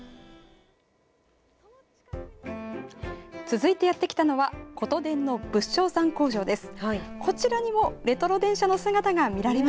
続いてやって来たのはことでんの仏生山工場です。